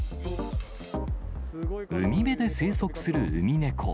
海辺で生息するウミネコ。